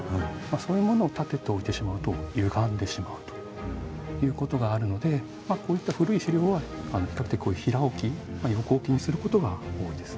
そういうものを立てて置いてしまうとゆがんでしまうということがあるのでこういった古い資料は比較的こう平置き横置きにすることが多いです。